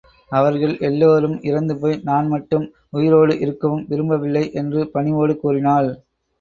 அவர்கள் எல்லோரும் இறந்து போய், நான் மட்டும் உயிரோடு இருக்கவும் விரும்பவில்லை என்று பணிவோடு கூறினாள்.